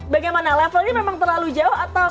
bagaimana levelnya memang terlalu jauh atau korea bagaimana